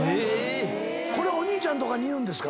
これお兄ちゃんとかに言うんですか？